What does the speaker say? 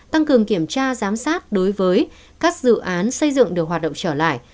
tăng cường kiểm tra giám sát đối với các dự án xây dựng được hoạt động trở lại